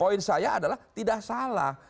poin saya adalah tidak salah